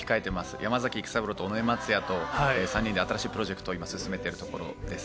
山崎育三郎と尾上松也と、３人で新しいプロジェクトを今進めているところです。